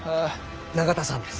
永田さんです。